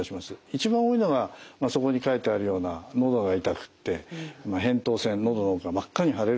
一番多いのがそこに書いてあるようなのどが痛くってへんとう腺のどの奥が真っ赤に腫れるんですね。